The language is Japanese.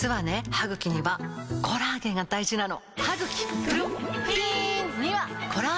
歯ぐきにはコラーゲンが大事なの！